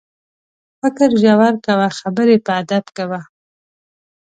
فکر ژور کوه، خبرې په ادب کوه.